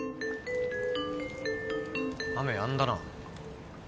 雨やんだな。